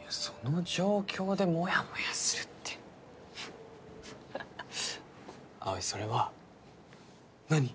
いやその状況でモヤモヤするってははっ葵それは何？